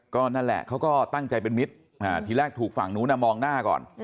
ก็นั่นแหละเขาก็ตั้งใจเป็นมิตรทีแรกถูกฝั่งนู้นมองหน้าก่อน